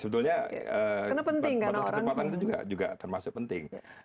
sebetulnya kecepatan itu juga termasuk penting